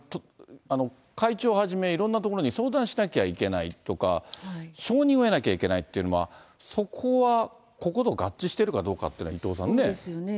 会長はじめ、いろんなところに相談しなきゃいけないとか、承認を得なきゃいけないというのは、そこはここと合致しているかどうかっていうのは、伊藤さんね。